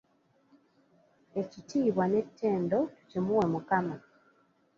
Ekitiibwa n'ettendo tukimuwe Mukama.